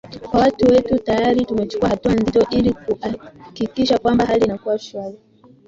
kwa watu wetu tayari tumechukua hatua nzito ili kuakikisha kwamba hali inakuwa shwari